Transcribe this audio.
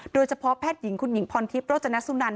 โดยเฉพาะแพทย์หญิงคุณหญิงพรทิพย์โรจนสุนัน